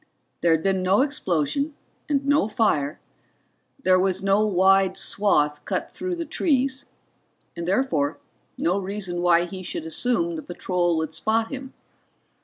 There had been no explosion and no fire, there was no wide swath cut through the trees and therefore no reason why he should assume the patrol would spot him.